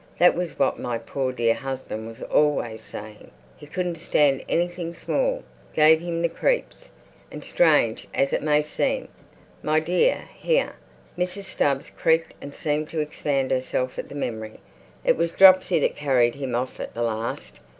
That was what my poor dear husband was always saying. He couldn't stand anything small. Gave him the creeps. And, strange as it may seem, my dear"—here Mrs. Stubbs creaked and seemed to expand herself at the memory—"it was dropsy that carried him off at the larst.